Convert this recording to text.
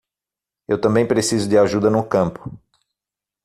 Eu também preciso de ajuda no campo.